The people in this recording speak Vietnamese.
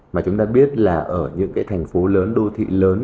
mà chúng ta biết là ở những cái thành phố lớn đô thị lớn